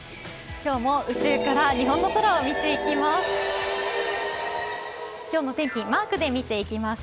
今日も宇宙から日本の空を見ていきます。